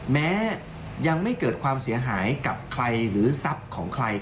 แม้ยังไม่เกิดความเสียหายกับใครหรือทรัพย์ของใคร